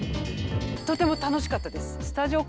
とても楽しかったです。